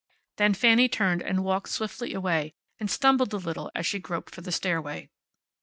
Then Fanny turned and walked swiftly away, and stumbled a little as she groped for the stairway.